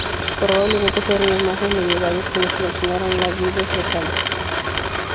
Probablemente fueron los monjes medievales quienes seleccionaron las vides locales.